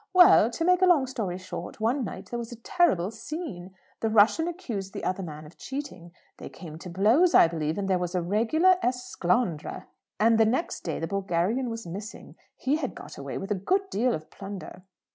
Well, to make a long story short, one night there was a terrible scene. The Russian accused the other man of cheating. They came to blows, I believe, and there was a regular esclandre. And next day the Bulgarian was missing. He had got away with a good deal of plunder."